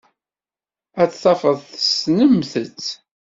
Ad tafeḍ tessnemt-tt.